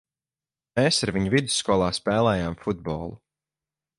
Mēs ar viņu vidusskolā spēlējām futbolu.